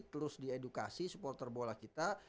terus diedukasi supporter bola kita